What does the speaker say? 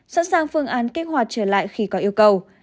sẵn sàng phương án kích hoạt trở lại khi có yêu cầu